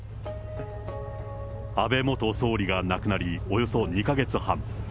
安倍元総理が亡くなり、およそ２か月半。